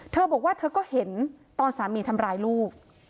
เธอบอกว่าเธอก็เห็นตอนสามีทำร้ายลูก